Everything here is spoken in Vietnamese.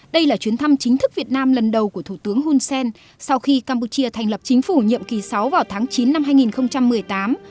đây là chuyến thăm chính thức việt nam lần đầu của thủ tướng hun sen sau khi campuchia thành lập chính phủ nhiệm kỳ sáu vào tháng chín năm hai nghìn một mươi tám